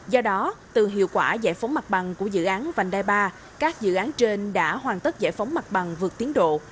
do đó từ hiệu quả giải phóng mặt bằng của dự án vành đai ba các dự án trên đã hoàn tất giải phóng mặt bằng vượt tiến độ